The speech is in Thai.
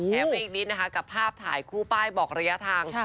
ไปอีกนิดนะคะกับภาพถ่ายคู่ป้ายบอกระยะทาง